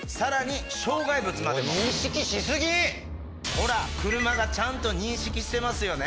ほら車がちゃんと認識してますよね